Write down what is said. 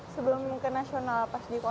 sebelum ke nasional pas di